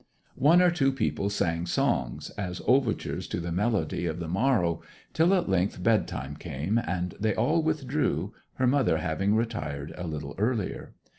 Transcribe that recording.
One or two people sang songs, as overtures to the melody of the morrow, till at length bedtime came, and they all withdrew, her mother having retired a little earlier.